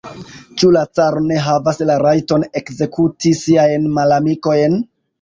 Ĉu la caro ne havas la rajton ekzekuti siajn malamikojn?